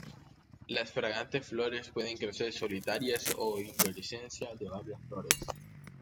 Las fragantes flores pueden crecer solitarias o en inflorescencias de varias flores.